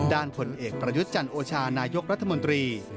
ด้านผลเอกประยุจจันทร์โอชานายกรัฐมนตรี